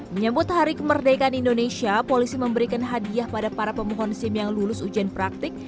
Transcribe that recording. menyebut hari kemerdekaan indonesia polisi memberikan hadiah pada para pemohon sim yang lulus ujian praktik